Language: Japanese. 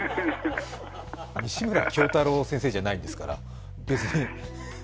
西村京太郎先生じゃないんですから、別に。